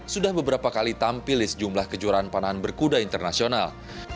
sudah beberapa kali tampil di sejumlah kejuaraan panahan berkuda internasional